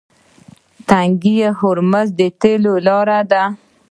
تنګی هرمز د تیلو لاره ده.